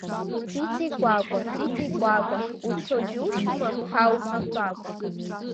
Ҵиҵи-кәакәа, ҵиҵи-кәакәа, уцо џьушьоума ҳа уҳамбакәа.